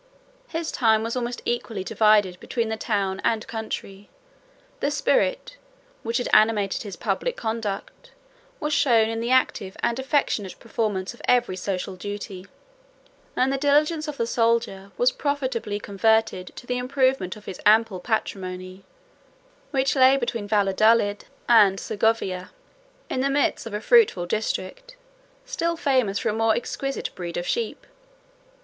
His time was almost equally divided between the town and country; the spirit, which had animated his public conduct, was shown in the active and affectionate performance of every social duty; and the diligence of the soldier was profitably converted to the improvement of his ample patrimony, 111 which lay between Valladolid and Segovia, in the midst of a fruitful district, still famous for a most exquisite breed of sheep.